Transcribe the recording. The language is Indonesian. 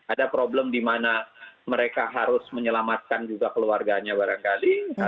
ada problem dimana mereka harus menyelamatkan juga keluarganya barangkali